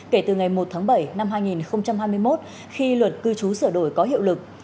kể từ ngày một tháng bảy năm hai nghìn hai mươi một khi luật cư trú sửa đổi có hiệu lực